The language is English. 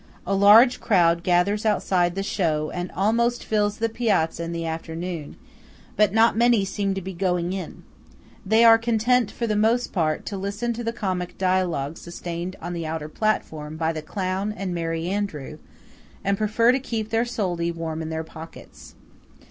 A large crowd gathers outside the show and almost fills the piazza in the afternoon; but not many seem to be going in. They are content, for the most part, to listen to the comic dialogue sustained on the outer platform by the clown and Merry Andrew, and prefer to keep their soldi warm in their pockets.